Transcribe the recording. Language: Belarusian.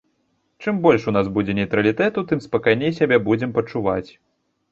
Чым больш у нас будзе нейтралітэту, тым спакайней сябе будзем пачуваць.